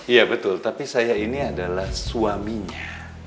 iya betul tapi saya ini adalah suaminya